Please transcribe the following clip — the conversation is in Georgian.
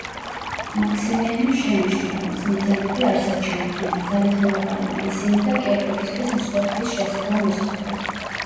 მაქსიმიანემ შენიშნა, რომ წმიდანები არსად ჩანდნენ, ძალით მოაყვანინა ისინი და კერპებისთვის მსხვერპლის შეწირვა მოსთხოვა.